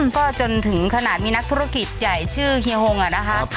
ก็จนถึงขนาดมีนักธุรกิจใหญ่ชื่อเฮียฮงอะนะคะ